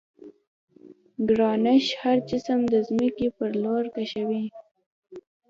ګرانش هر جسم د ځمکې پر لور کشوي.